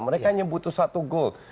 mereka hanya butuh satu gold